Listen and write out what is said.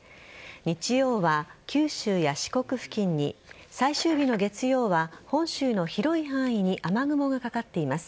日曜は九州や四国付近に最終日の月曜は本州の広い範囲に雨雲がかかっています。